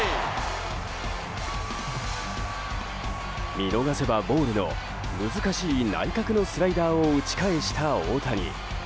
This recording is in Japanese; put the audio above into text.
見逃せばボールの難しい内角のスライダーを打ち返した大谷。